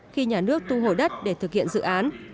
khi nhà nước tu hồi đất để thực hiện dự án